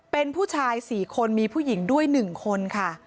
เป็นผู้ชาย๔คนมีผู้หญิงด้วย๑คนค่ะ